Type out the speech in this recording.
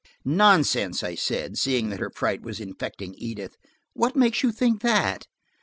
"Nonsense," I said, seeing that her fright was infecting Edith. "What makes you think that?"